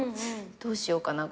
どうしようかな